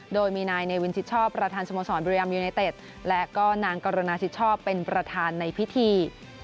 โดยมีนายเนวินสิทธิ์ชอบประธานสมสรรค์เบรียมยูไนเต็ดและก็นางกรณาสิทธิ์ชอบเป็นประธานในพิธี